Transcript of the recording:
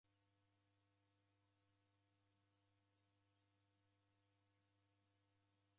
Iyo ndoe kwa sharia ni mali ya serikali.